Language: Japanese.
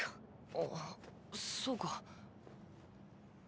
あそうか。